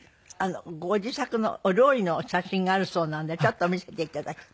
ご自作のお料理の写真があるそうなんでちょっと見せて頂き。